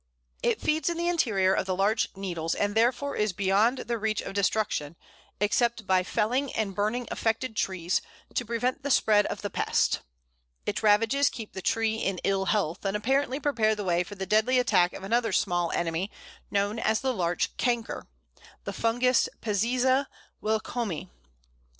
It feeds in the interior of the Larch needles, and therefore is beyond the reach of destruction, except by felling and burning affected trees, to prevent the spread of the pest. Its ravages keep the tree in ill health, and apparently prepare the way for the deadly attack of another small enemy, known as the Larch Canker the fungus Peziza willkommii.